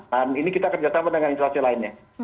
dan ini kita kerjasama dengan instansi lainnya